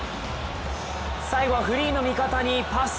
最後はフリーの味方にパス。